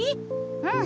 うん。